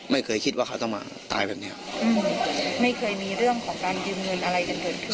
ไม่เคยคิดว่าเขาต้องมาตายแบบเนี้ยอืมไม่เคยมีเรื่องของการยืมเงินอะไรกันเกิดขึ้น